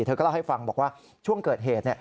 เธอก็เล่าให้ฟังบอกว่าช่วงเกิดเหตุ